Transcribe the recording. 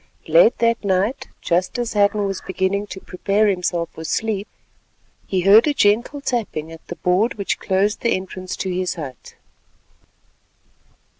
Late that night, just as Hadden was beginning to prepare himself for sleep, he heard a gentle tapping at the board which closed the entrance to his hut.